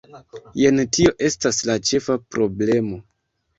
Jen tio estas la ĉefa problemo".